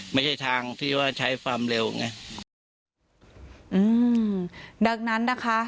ไม่ใช่ทางที่ว่าใช้ความเร็วไงอืมดังนั้นนะคะ